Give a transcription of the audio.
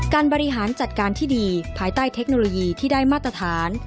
บริหารจัดการที่ดีภายใต้เทคโนโลยีที่ได้มาตรฐาน